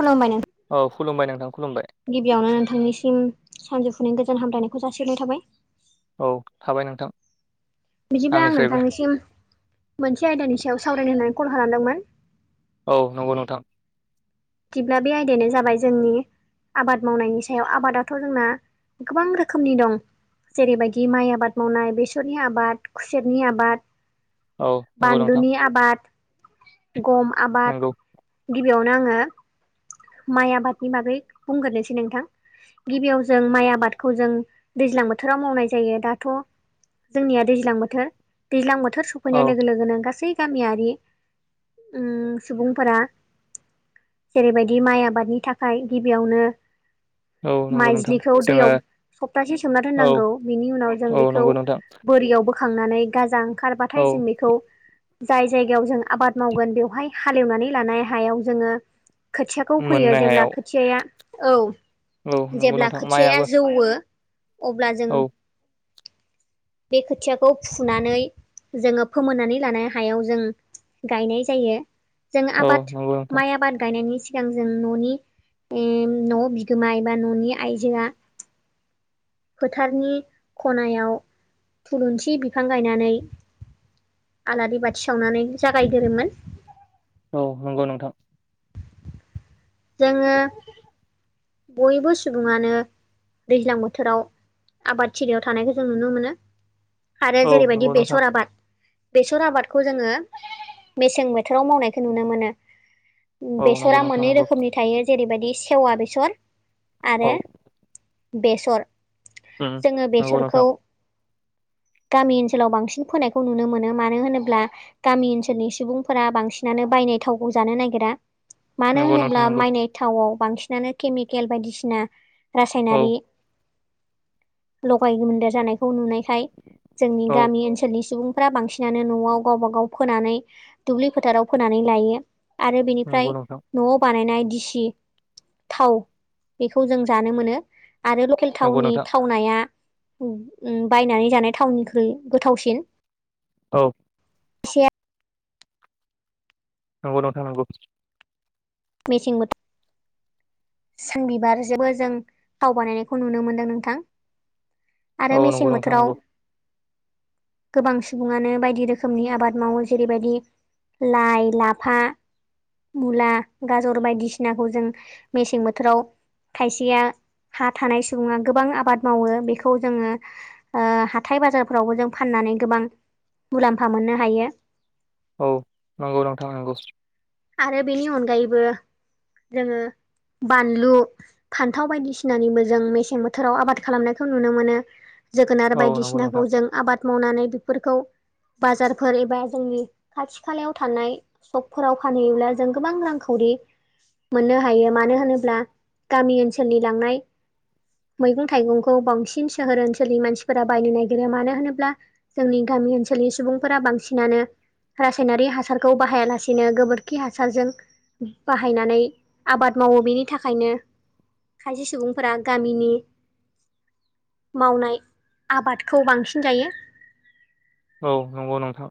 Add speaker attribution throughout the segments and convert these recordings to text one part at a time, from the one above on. Speaker 1: खुलुमबाय नों
Speaker 2: औ खुलुमबाय नोंथां खुलुमबाय
Speaker 1: गिबियावनो नोंथांनिसिम सानजौफुनि गोजान हामलायनायखौ जासिनाय थाबाय
Speaker 2: औ थाबाय नोंथां
Speaker 1: बिदिब्ला आं
Speaker 2: आंनिफ्रायबो
Speaker 1: नोंथांनिसिम मोनसे आयदानि सायाव सावरायनो होननानै कल खालामदोंमोन
Speaker 2: औ नंगौ नोंथां
Speaker 1: बिदिब्ला बे आयदायानो जाबाय जोंनि आबाद मावनायनि सायाव आबादाथ' जोंना गोबां रोखोमनि दं जेरैबायदि माइ आबाद मावनाय बेसरनि आबाद खुसेरनि आबाद
Speaker 2: औ नंगौ नोंथां
Speaker 1: बानलुनि आबाद गम आबाद
Speaker 2: नंगौ
Speaker 1: गिबियावनो आङो माइ आबादनि बागै बुंग्रोसै नोंथां गिबियाव जों माइ आबादखौ जों दैज्लां बोथोराव मावनाय जायो दाथ' जोंनिया दैज्लां बोथोर दैज्लां बोथोर
Speaker 2: औ
Speaker 1: सफैनाय लोगो लोगोनो गासै गामियारि सुबुंफोरा जेरैबायदि माइ आबादनि थाखाय गिबियावनो
Speaker 2: औ नंगौ नोंथां
Speaker 1: माइज्लिखौ
Speaker 2: जोङो
Speaker 1: दैयाव सप्तासे सोमना
Speaker 2: औ
Speaker 1: दोननांगौ बिनि उनाव जों
Speaker 2: औ
Speaker 1: बेखौ
Speaker 2: नंगौ नोंथां
Speaker 1: बोरियाव बोखांनानै गाजा
Speaker 2: औ
Speaker 1: ओंखारबाथाय जों बेखौ जाय जायगायाव जों आबाद मावगोन बेवहाय हालेवनानै लानाय हायाव जोङो खोथियाखौ फोयो
Speaker 2: मोननो
Speaker 1: जेब्ला
Speaker 2: हायाव
Speaker 1: खोथियाया औ
Speaker 2: नंगौ
Speaker 1: जेब्ला
Speaker 2: नोंथां
Speaker 1: खोथियाया
Speaker 2: माइयाबो
Speaker 1: जौवो अब्ला जों
Speaker 2: औ
Speaker 1: बे खोथियाखौ फुनानै जोङो फोमोननानै लानाय हायाव जों गायनाय जायो जों
Speaker 2: औ
Speaker 1: आबाद
Speaker 2: नंगौ नोंथां
Speaker 1: माइ आबाद गायनायनि सिगां जों न'नि न' बिगोमा एबा न'नि आइजोआ फोथारनि खनायाव थुलुंसि बिफां गायनानै आलारि बाथि सावनानै जागायदोरोमोन
Speaker 2: औ नंगौ नोंथां।
Speaker 1: जोङो बयबो सुबुङानो दैज्लां बोथोराव आबादथिलियाव थानायखौ जों नुनो मोनो। आरो
Speaker 2: औ
Speaker 1: जेरैबायदि
Speaker 2: नंगौ नोंथां
Speaker 1: बेसर आबाद बेसर आबादखौ जोङो मेसें बोथोराव मावनायखौ नुनो मोनो।
Speaker 2: औ
Speaker 1: बेसरा
Speaker 2: नंगौ नोंथां
Speaker 1: मोननै
Speaker 2: नंगौ
Speaker 1: रोखोमनि थायो जेरैबायदि सेवा बेसर आरो
Speaker 2: औ
Speaker 1: बेसर
Speaker 2: उम
Speaker 1: जोङो
Speaker 2: नंगौ नोंथां
Speaker 1: बेसरखौ गामि ओनसोलाव बांसिन फोनायखौ नुनो मोनो मानो होनोब्ला गामि ओनसोलनि सुबुंफोरा बांसिनानो बायनाय थावखौ जानो नागिरा मानो
Speaker 2: नंगौ
Speaker 1: होनो
Speaker 2: नोंथां नंगौ
Speaker 1: नै थावआव बांसिनानो केमिकेल बायदिसिना
Speaker 2: औ
Speaker 1: रासायनारि लगायदेर जानायखौ नुनायखाय जोंनि
Speaker 2: औ
Speaker 1: गामि ओनसोलनि सुबुं फ्रा बांसिनानो न'आव गावबा गाव फोनानै दुब्लि फोथाराव फोनानै लायो। आरो बेनिफ्राय
Speaker 2: नंगौ नोंथां
Speaker 1: न'आव बानायनाय दिसि थाव बेखौ जों जानो मोनो आरो लकेल बे
Speaker 2: नंगौ
Speaker 1: थाावननि
Speaker 2: नोंथां
Speaker 1: थावनाया बायनानै जानाय थावननिख्रुइ गोथावसिन
Speaker 2: औ।
Speaker 1: एसे
Speaker 2: नंगौ दं थांनांगौ
Speaker 1: मेसिं बो सानबिबारजोंबो जों थाव बानायनायखौ नुनो मोनदों नोंथां। आरो मेसें
Speaker 2: नंगौ नोंथां
Speaker 1: बोथोराव
Speaker 2: नंगौ
Speaker 1: गोबां सुबुङानो बायदि रोखोमनि आबाद मावो जेरैबायदि लाइ लाफा मुला गाजर बायदिसिनाखौ जों मेसें बोथोराव खायसेया हा थानाय सुबुङा गोबां आबाद मावो बेखौ जोङो ओ हाथाय बाजारफोरावबो जों फाननानै गोबां मुलाम्फा मोननो हायो।
Speaker 2: औ नंगौ नोंथां नंगौ।
Speaker 1: आरो बेनि अनगायैबो जोङो बानलु फान्थाव बायदिसिनानिबो जों मेसें बोथोराव आबाद खालामनायखौ नुनो मोनो जोगोनार
Speaker 2: औ नंगौ
Speaker 1: बायदिसिनाखौ
Speaker 2: नोंथां
Speaker 1: जों आबाद मावनानै बेफोरखौ बाजारफोर एबा जोंनि खाथि खालायाव थानाय सकफोराव फानहैयोब्ला जों गोबां रांखावरि मोननो हायो मानो होनोब्ला गामि ओनसोलनि लांनाय मैगं थाइगंखौ बांसिन सोहोर ओनसोलनि मानसिफोरा बायनो नागिरो मानो होनोब्ला जोंनि गामि ओनसोलनि सुबुंफोरा बांसिनानो रासायनारि हासारखौ बाहायालासेनो गोबोर खखि हासारजों बाहायनानै आबाद मावो बेनि थाखायनो खायसे सुबुंफोरा गामिनि मावनाय आबादखौ बांसिन जायो
Speaker 2: औ नंगौ नोंथां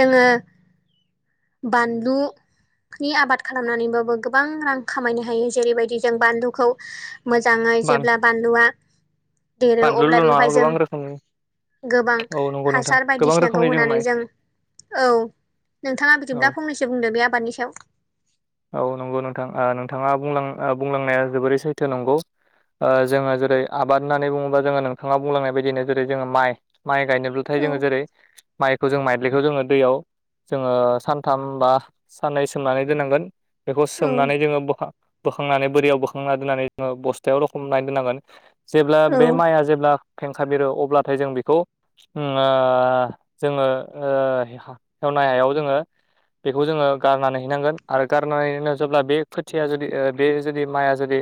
Speaker 1: जोङो बानलु नि आबाद खालामनानैबाबो गोबां रां खामायनो हायो जेरैबायदि जों बानलुखौ मोजाङै
Speaker 2: बानाय
Speaker 1: जेब्ला बानलुआ देरो
Speaker 2: बानलुल'
Speaker 1: अब्ला
Speaker 2: नङा
Speaker 1: बेवहाय जों
Speaker 2: गोबां रोखोमनि
Speaker 1: गोबां
Speaker 2: औ नंगौ नोंथां
Speaker 1: हासार
Speaker 2: गोबां
Speaker 1: बायदिसिनाखौ
Speaker 2: रोखोमनि
Speaker 1: होनानै
Speaker 2: माइ
Speaker 1: जों औ नोंथाङा
Speaker 2: औ
Speaker 1: बिदिब्ला फंनैसो बुंदों बे आबादनि सायाव
Speaker 2: औ नंगौ नोंथां नोंथाङा बुंलांनाया जोबोरै सैथो नंगौ। जोङो जेरै आबाद होननानै बुङोबा जोङो नोंथाङा बुंलांनाय बायदिनो जेरै जोङो माइ माइ गायनोब्लाथाय
Speaker 1: औ
Speaker 2: जोङो जेरै माइखौ जों माइदलिखौ जोङो दैयाव जोङो सानथाम बा साननै सोमनानै दोननांगोन बेखौ
Speaker 1: औ
Speaker 2: सोमनानै जोङो बहा बोखांनानै बोरियाव बोखांना दोननानै जोङो बस्थायाव रखम नाय दोननांगोन जेब्ला
Speaker 1: औ
Speaker 2: बे माइआ जेब्ला फेंसार लिरो अब्लाथाय जों बेखौ जोङो [unintelligible] हायाव जोङो बेखौ जोङो गारनानै हैनांगोन आरो गारनानैनो जेब्ला बे खोथिया जुदि बे जुदि माइआ जुदि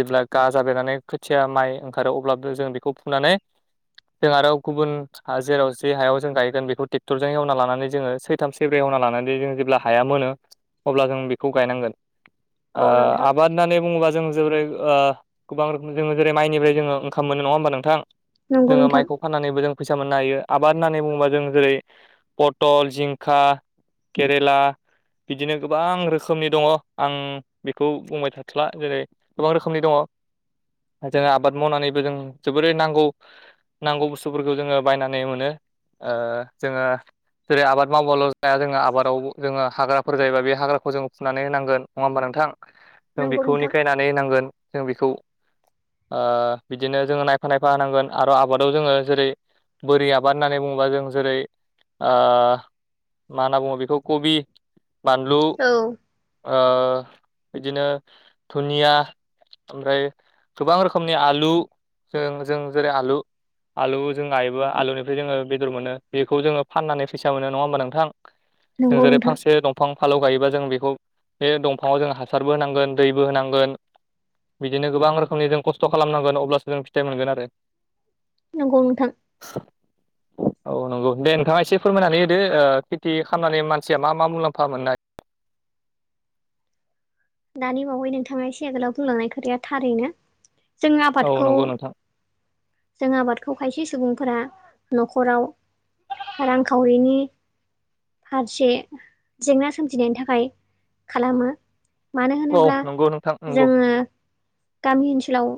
Speaker 2: जेब्ला गाजाबेरनानै खोथिया माइ ओंखारो अब्लाबो जों बेखौ फुनानै जों आरो गुबुन जेराव जे हायाव जों गायगोन बेखौ ट्रेक्टरजों एवना लानानै जोङो सैथाम सेब्रै एवना लानानै जों जेब्ला हाया मोनो अब्ला जों बेखौ गायनांगोन
Speaker 1: औ नोंथां
Speaker 2: आबाद होननानै बुङोबा जों जोरै गोां रखोम जोङो जेरै माइनिफ्राय जोङो ओंखाम मोनो नङा होमबा नोंथां
Speaker 1: नंगौ
Speaker 2: जोङो
Speaker 1: नोंथां
Speaker 2: माइखौ फाननानैबो जों फैसा मोननो हायो आबाद होननानै बुङोबा जों जेरै पटल जिंखा केरेला बिदिनो गोबां रोखोम रोखोमनि दङ आं बेखौ बुंबाय थाथला जेरै गोबां रोखोमनि दङ जोङो आबाद मावनानैबो जों जोबोरै नांगौ नांगौ बुस्थुफोरखौ जोङो बायनानै मोनो जोङो जेरै आबाद मावबाल' जाया जोङो आबादाव जोङो हाग्राफोर जायोबा बे हाग्राखौ जोङो फनानै होनांगोन नङा होमबा नोंथां जों
Speaker 1: नंगौ
Speaker 2: बेखौ
Speaker 1: नोंथां
Speaker 2: निखायनानै होनांगोन जों बेखौ बिदिनो जोङो नायफा नायफा होनांगोन आरो आबादाव जोङो जेरै बोरि आबाद होननानै बुङोबा जों जेरै मा होनना बुङो बेखौ कबि बानलु
Speaker 1: औ
Speaker 2: बिदिनो दुनिया ओमफ्राय गोबां रोखोमनि आलु जों जों जेरै आलु आलु जों गायोबो आलुनिफ्राय जोङो बेदर मोनो बेखौ जोङो फाननानै फैसा मोनो नङा होमबा नोंथां
Speaker 1: [inaudible]
Speaker 2: जों जेरै
Speaker 1: नोंथां
Speaker 2: फांसे दंफां फालौ गायोबा जों बेखौ बे दंफाङाव जों हासारबो होनांगोन दैबो होनांगोन बिदिनो गोबां रोखोमनि जों खस्थ' खालामनांगोन अब्लासो जों फिथाइ मोनगोन आरो
Speaker 1: नंगौ नोंथां
Speaker 2: [inaudible] औ नंगौ दे नोंथाङा एसे फोरमायनानै होदो खेथि खालामनानै मानसिया मा मा मुलाम्फा मोननाय
Speaker 1: दानि बावै नोंथाङा सेगोलाव बुंलांनाय खोथाया थारैनो जों
Speaker 2: औ
Speaker 1: आबादखौ
Speaker 2: नंगौ नोंथां
Speaker 1: जों आबादखौ खायसे सुबुंफोरा न'खराव रांखावरिनि हारसे जेंना सोमजिनायनि थाखाय खालामो मानो
Speaker 2: औ
Speaker 1: होनोब्ला
Speaker 2: नंगौ नोंथां नंगौ
Speaker 1: जोङो गामि ओनसोलाव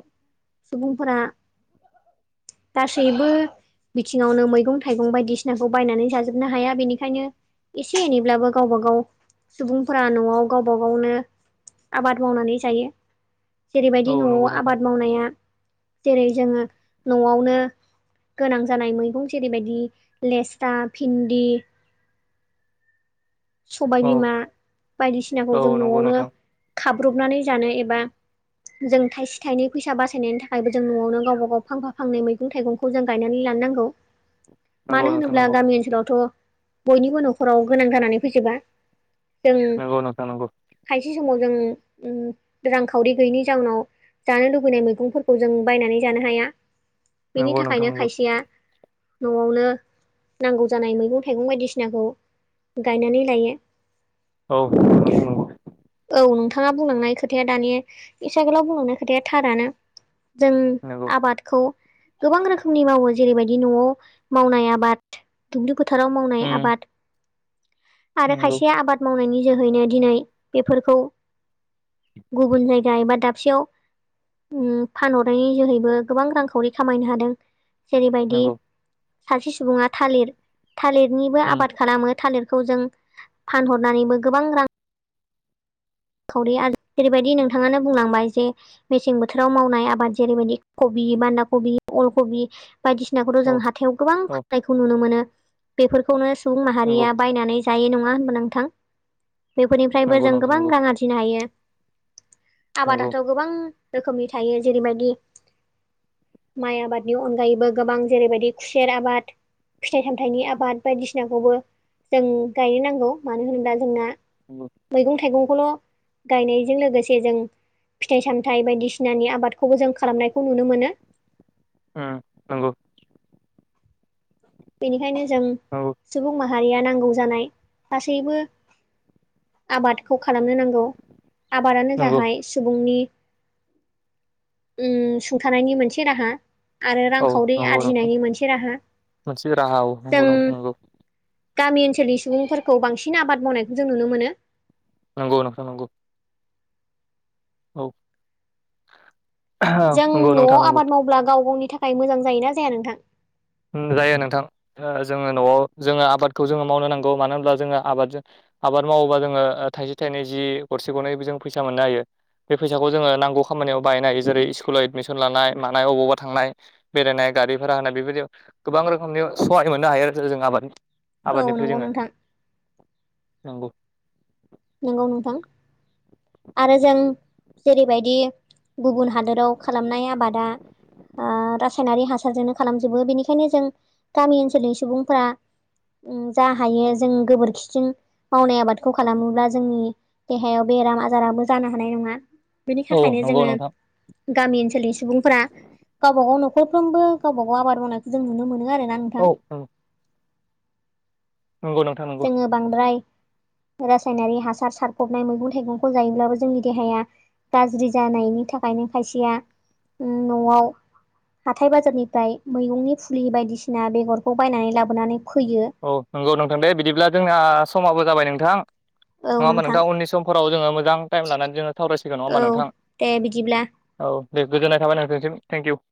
Speaker 1: सुबुंफोरा दासैबो बिथिङावनो मैगं थाइगं बायदिसिनाखौ बायनानै जाजोबनो हाया बेनिखायनो एसे एनैब्लाबो गावबा गाव सुबुंफोरा न'आव गावबा गावनो आबाद मावनानै जायो जेरैबायदि
Speaker 2: औ
Speaker 1: न'आव
Speaker 2: नंगौ नोंथां
Speaker 1: आबाद मावनाया जेरै जोङो न'आवनो गोनां जानाय मैगं जेरैबायदि लेस्था भिन्दि
Speaker 2: औ
Speaker 1: सबायबिमा बायदिसिनाखौ
Speaker 2: औ
Speaker 1: जों
Speaker 2: नंगौ
Speaker 1: न'आवनो
Speaker 2: नोंथां
Speaker 1: खाब्रबनानै जानो एबा जों थाइसे थाइनै फैसा बासायनायनि थाखायबो जों न'आवनो गावबा गाव फांफा फांनै मैगं थाइगंखौ खौ जों गायनानै लानो नांगौ
Speaker 2: नंगौ
Speaker 1: मानो
Speaker 2: नोंथां
Speaker 1: होनोब्ला
Speaker 2: नंगौ
Speaker 1: गामि ओनसोलावथ' बयनिबो न'खराव गोनां जानानै फैजोबा जों
Speaker 2: नंगौ नोंथां नंगौ
Speaker 1: थायसे समाव जों रांखावरि गैयैनि जाउनाव जानो लुुबैनाय मैगंफोरखौ जों बायनानै जानो हाया बेनि
Speaker 2: नंगौ नोंथां
Speaker 1: थाखायनो
Speaker 2: नंगौ
Speaker 1: खायसेया न'आवनो नांगौ जानाय मैगं थाइगं बायदिसिनाखौ गायनानै लायो
Speaker 2: औ नंगौ नंगौ
Speaker 1: औ नोंथाङा बुंलांनाय खोथाया दानि इसे गोलाव बुंलांनाय खोथाया थारानो जों
Speaker 2: नंगौ
Speaker 1: आबादखौ गोबां रोखोमनि मावो जेरैबायदि न'आव मावनाय आबाद दुब्लि फोथाराव मावनाय
Speaker 2: नंगौ
Speaker 1: आबाद आरो
Speaker 2: नंगौ
Speaker 1: खायसे आबाद मावनायनि जोहैनो दिनै बेफोरखौ गुबुन जायगा एबा दाबसेयाव उम फानहरनायनि जोहैबो गोबां रांखावरि खामायनो हादों जेरैबायदि
Speaker 2: नंगौ
Speaker 1: सासे सुबुङा थालिर थालिरनिबो आबाद खालामो थालिरखौ जों फानहरनानैबो गोबां रां खावरि आरो जेरैबायदि नोंथाङानो बुंलांबाय जे मेसें बोथोराव मावनाय आबाद जेरैबायदि कबि, बान्दा कबि, अल कबि बायदिसिनाखौथ'
Speaker 2: औ
Speaker 1: जों हाथायाव गोबां
Speaker 2: औ
Speaker 1: फाननायखौ नुनो मोनो बेफोरखौनो सुबुं
Speaker 2: नंगौ
Speaker 1: माहारिया बायनानै जायो नङा होनब नोंथां बेफोरनिफ्रायबो
Speaker 2: नंगौ
Speaker 1: जों
Speaker 2: नोंथां
Speaker 1: गोबां
Speaker 2: नंगौ
Speaker 1: रां आरजिनो हायो
Speaker 2: नंगौ
Speaker 1: आबादाथ' गोबां रोखोमनि थायो जेरैबायदि माइ आबादनि अनगायैबो गोबां जेरैबायदि खुसेर आबाद फिथाइ सामथाइनि आबाद बायदिसिनाखौबो जों गायनो नांगौ मानो होनोब्ला जोंना
Speaker 2: औ
Speaker 1: मैगं थाइगंखौल' गायनायजों लोगोसे जों फिथाइ सामथायाइ बायदिसिनानि आबादखौबो जों खालामनायखौ नुनो मोनो
Speaker 2: उम नंगौ
Speaker 1: बेनिखायनो जों
Speaker 2: औ
Speaker 1: सुबुं माहारिया नांगौ जानाय गासैबो आबादखौ खालामनो नांगौ आबादानो
Speaker 2: नंगौ
Speaker 1: जाहाय सुबुंनि उम सुंथानायनि मोनसे राहा आरो
Speaker 2: औ
Speaker 1: रांखावरि
Speaker 2: नंगौ नोंथां
Speaker 1: आरजिनायनि मोनसे राहा
Speaker 2: मोनसे राहा औ नंगौ
Speaker 1: जों
Speaker 2: नोंथां नंगौ
Speaker 1: गामि ओनसोलनि सुबुंफोरखौ बांसिन आबाद मावनायखौ जों नुनो मोनो
Speaker 2: नंगौ नोंथां नंगौ औ
Speaker 1: जों
Speaker 2: नंगौ
Speaker 1: न'आव
Speaker 2: नोंथां नंगौ
Speaker 1: आबाद मावब्ला गाव गावनि थाखाय मोजां जायोना जाया नोंथां
Speaker 2: जायो नोंथां जोङो न'आव जोङो आबादखौ जोङो मावनो नांगौ मानो होनब्ला जोङो आबादजों आबाद मावोबा जोङो थाइसे थाइनै जि गरसे गरनैबो जों फैसा मोननो हायो बे फैसाखौ जोङो नांगौ खामानियाव बाहायनो हायो जेरै स्कुलाव एडमिसन लानाय मानाय अबावबा थांनाय बेरायनाय गारिफोरा हानाय बेबायदियाव गोबां रोखोमनि सहाय मोननो हायो आरो जों आबाद
Speaker 1: औ
Speaker 2: आबादनिफ्राय
Speaker 1: नंगौ
Speaker 2: जोङो
Speaker 1: नोंथां
Speaker 2: नंगौ
Speaker 1: नंगौ नुथां आरो जों जेरैबायदि गुबुन हाद दोराव खालामनाय आबादा ओ रासायनारि हासारजोंनो खालामजोबो बेनिखायनो जों गामि ओनसोलनि सुबुंफोरा उम जा हायो जों गोबोरखिजोंजों मावनाय आबादखौ खालामोब्ला जोंनि देहायाव बेराम आजाराबो जानो हानाय नङा बिनि
Speaker 2: औ
Speaker 1: थाखायनो
Speaker 2: नंगौ
Speaker 1: जोङो
Speaker 2: नोंथां
Speaker 1: गामि ओनसोलनि सुबुंफोरा गावब गाव न'खरफ्रोमबो गावबा गाव आबाद मावनायखौ जों नुनो मोनो आरोना नोंथां
Speaker 2: औ नंगौ नंगौ नोंथां नंगौ
Speaker 1: जोङो बांद्राय रासायनारि हासार सारफबनाय मैगं थाइगंखौ जायोब्लाबो जोंनि देहाया गाज्रि जानायनि थाखायनो खायसेया न'आव हाथथाय बाजारनिफ्राय मैगंनि फुलि बायदिसिना बेगरखौ बायनानै लाबोनानै फोयो।
Speaker 2: औ नंगौ नोंथां दे बिदिब्ला जोंना समाबो जाबाय नोंथां नङा होमा नोंथां उननिस समफोराव जोङो मोजां टाइम लानानै जोङो सावरायसिगोन नङा
Speaker 1: औ
Speaker 2: होमबा नोंथां?
Speaker 1: दे बिदिब्ला
Speaker 2: औ दे गोजोननाय थाबाय नोंथांनिसिम थेंक इउ।